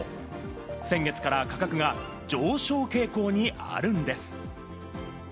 先月から価格が上昇傾向にあるんです。